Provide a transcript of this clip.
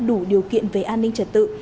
đủ điều kiện về an ninh trật tự